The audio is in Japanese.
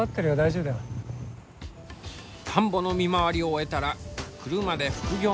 田んぼの見回りを終えたら車で副業の現場に。